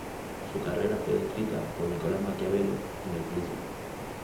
Su carrera fue descrita por Nicolás Maquiavelo en "El Príncipe".